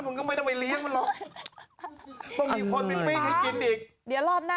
มันก็ไม่ต้องไปเลี้ยงมันหรอกต้องมีคนไปปิ้งให้กินอีกเดี๋ยวรอบหน้า